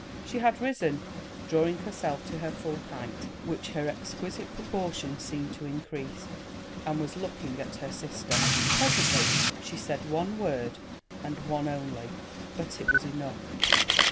She had risen, drawing herself to her full height, which her exquisite proportions seemed to increase, and was looking at her sister. Presently she said one word and one only, but it was enough.